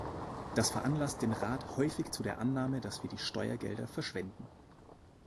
Das veranlasst den Rat häufig zu der Annahme, dass wir die Steuergelder verschwenden.